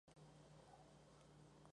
Una renombrada arqueóloga, la Dra.